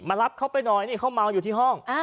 รับเขาไปหน่อยนี่เขาเมาอยู่ที่ห้อง